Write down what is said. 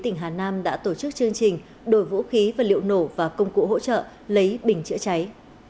tỉnh hà nam đã tổ chức chương trình đổi vũ khí và liệu nổ và công cụ hỗ trợ lấy bình chữa cháy